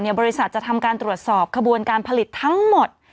เดี๋ยวบริษัทจะทำตรวจสอบกระบวนการผลิตทั้งหมด